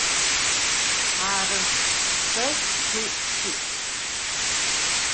Arı, se tı si'.